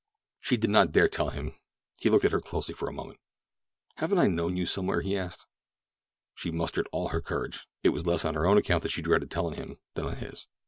She did not dare tell him. He looked at her closely for a moment. "Haven't I known you somewhere?" he asked. She mustered all her courage. It was less on her own account that she dreaded telling him than on his.